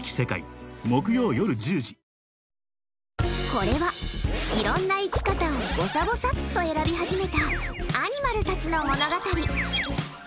これは、いろんな生き方をぼさぼさっと選び始めたアニマルたちの物語。